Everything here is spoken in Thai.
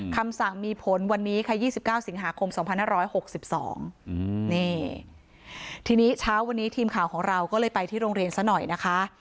คำสั่งมีผลวันนี้ค่ะ๒๙สิงหาคม๒๕๖๒นี่ทีนี้เช้าวันนี้ทีมข่าวของเราก็เลยไปที่โรงเรียนซะหน่อยนะคะ